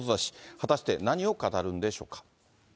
果たして何を語るんでしょうか。